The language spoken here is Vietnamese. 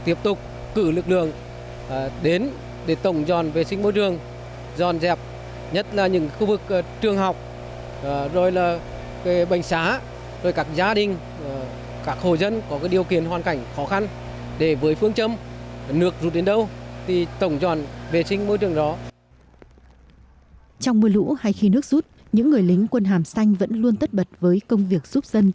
trong mưa lũ hay khi nước rút những người lính quân hàm xanh vẫn luôn tất bật với công việc giúp dân